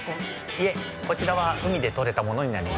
いえこちらは海でとれたものになります